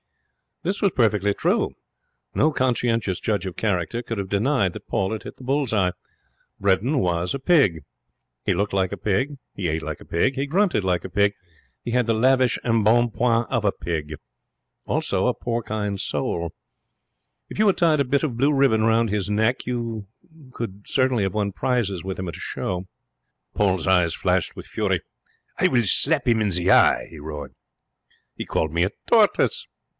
This was perfectly true. No conscientious judge of character could have denied that Paul had hit the bull's eye. Bredin was a pig. He looked like a pig; he ate like a pig; he grunted like a pig. He had the lavish embonpoint of a pig. Also a porcine soul. If you had tied a bit of blue ribbon round his neck you could have won prizes with him at a show. Paul's eyes flashed with fury. 'I will slap him in the eye,' he roared. 'He called me a tortoise.'